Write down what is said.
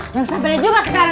dan sampelnya juga sekarang